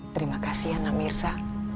terima kasih ya nak mirza